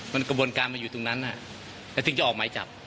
มันกระบวนการมันอยู่ตรงนั้นแล้วถึงจะออกหมายจับ